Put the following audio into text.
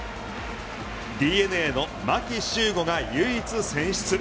ＤＮＡの牧秀悟が唯一選出。